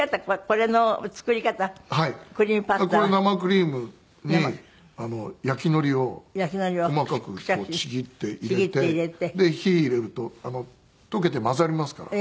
これ生クリームに焼き海苔を細かくちぎって入れて火入れると溶けて混ざりますから。